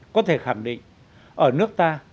có thể khẳng định ở nước ta